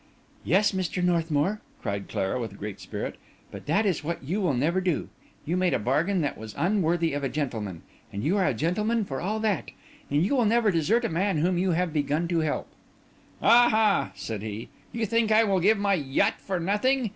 "Yes, Mr. Northmour," returned Clara, with great spirit; "but that is what you will never do. You made a bargain that was unworthy of a gentleman; but you are a gentleman for all that, and you will never desert a man whom you have begun to help." "Aha!" said he. "You think I will give my yacht for nothing?